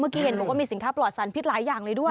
เมื่อกี้เห็นผมก็มีสินค้าปลอดศัลพิษหลายอย่างเลยด้วย